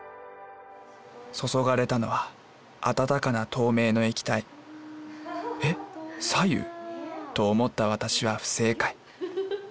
注がれたのは温かな透明の液体。え白湯？と思った私は不正解。